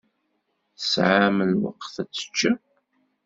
Tesɛam lweqt ad teččem?